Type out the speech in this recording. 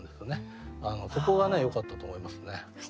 そこがよかったと思いますね。